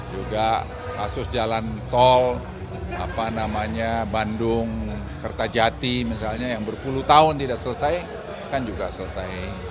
juga kasus jalan tol bandung kertajati misalnya yang berpuluh tahun tidak selesai kan juga selesai